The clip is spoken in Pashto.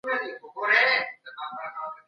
افغان سوداګر بهر ته د سفر ازادي نه لري.